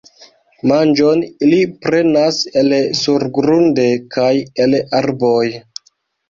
Manĝon ili prenas el surgrunde kaj el arboj.